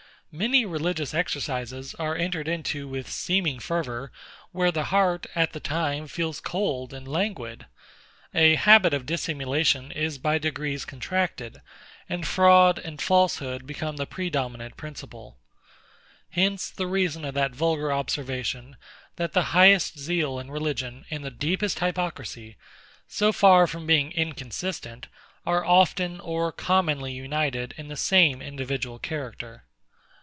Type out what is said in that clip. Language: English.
Many religious exercises are entered into with seeming fervour, where the heart, at the time, feels cold and languid: A habit of dissimulation is by degrees contracted; and fraud and falsehood become the predominant principle. Hence the reason of that vulgar observation, that the highest zeal in religion and the deepest hypocrisy, so far from being inconsistent, are often or commonly united in the same individual character.